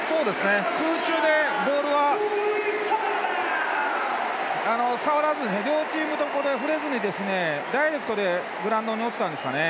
空中でボールは触らずに両チームとも触れずにダイレクトでグラウンドに落ちたんですかね。